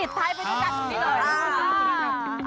ปิดไทยพูดด้วย